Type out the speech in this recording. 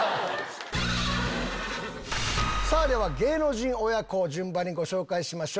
では芸能人親子を順番にご紹介しましょう。